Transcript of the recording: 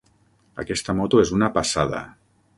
Aquesta moto és una passada.